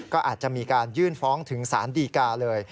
ก็อาจจะมีการยื่นฟ้องถึงสารดีกาเลย